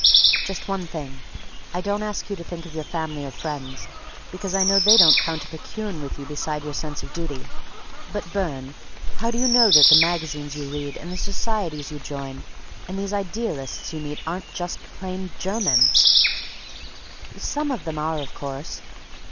"Just one thing—I don't ask you to think of your family or friends, because I know they don't count a picayune with you beside your sense of duty—but, Burne, how do you know that the magazines you read and the societies you join and these idealists you meet aren't just plain German?" "Some of them are, of course."